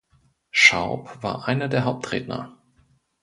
Schaub war einer der Hauptredner.